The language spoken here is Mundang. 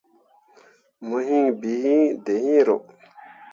Mo hiŋ bii iŋ dǝyeero.